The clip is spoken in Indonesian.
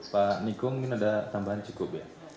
pak niko mungkin ada tambahan cukup ya